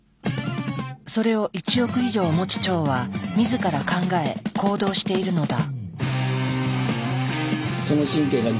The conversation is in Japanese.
それを１億以上持つ腸は自ら考え行動しているのだ。